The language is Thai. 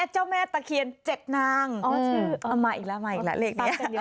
เจ้าแม่ตะเคียนเจ็ดนางอ๋อชื่ออ๋อมาอีกแล้วเลขนี้